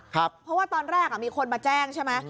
เพราะว่าตอนแรกมีคนมาแจ้งใช่ไหม